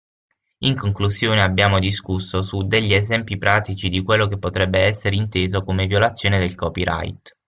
In conclusione abbiamo discusso su degli esempi pratici di quello che potrebbe esser inteso come violazione del Copyright.